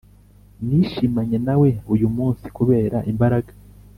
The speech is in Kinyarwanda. Nishimanye nawe uyu munsi kubera imbaraga